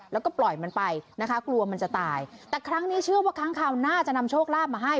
แล้วก็ปล่อยมันไปนะคะกลัวมันจะตายแต่ครั้งนี้เชื่อว่าครั้งคราวหน้าจะนำโชคลาภมาให้